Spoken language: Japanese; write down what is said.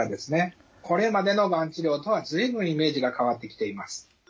これまでのがん治療とは随分イメージが変わってきています。